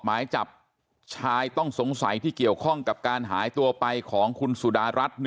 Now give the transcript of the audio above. หมายจับชายต้องสงสัยที่เกี่ยวข้องกับการหายตัวไปของคุณสุดารัฐ